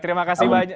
terima kasih banyak